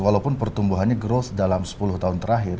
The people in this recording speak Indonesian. walaupun pertumbuhannya growth dalam sepuluh tahun terakhir